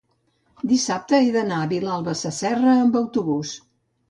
dissabte he d'anar a Vilalba Sasserra amb autobús.